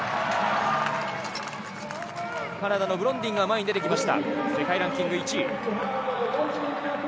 カナダのブロンディンが前に出てきました、世界ランキング１位。